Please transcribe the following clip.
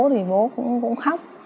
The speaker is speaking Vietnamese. thì bố cũng khóc